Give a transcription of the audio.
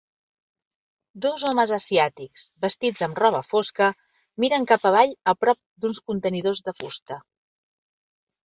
Dos homes asiàtics vestits amb roba fosca miren cap avall a prop d'uns contenidors de fusta.